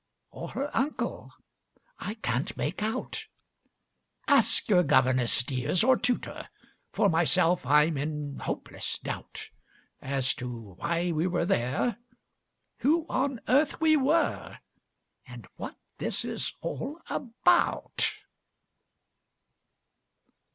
Or her uncle? I canŌĆÖt make out; Ask your governess, dears, or tutor. For myself, I ŌĆÖm in hopeless doubt As to why we were there, who on earth we were, And what this is all about.